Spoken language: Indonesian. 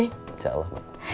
insya allah mak